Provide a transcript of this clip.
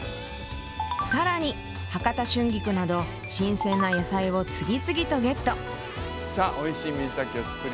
更に博多春菊など新鮮な野菜を次々とゲット。